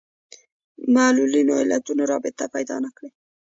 معلولونو علتونو رابطه پیدا نه کړي